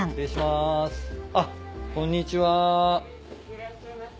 いらっしゃいませ。